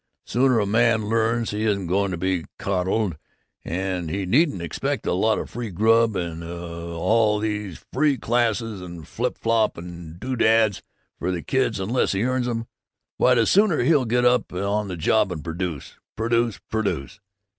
The sooner a man learns he isn't going to be coddled, and he needn't expect a lot of free grub and, uh, all these free classes and flipflop and doodads for his kids unless he earns 'em, why, the sooner he'll get on the job and produce produce produce!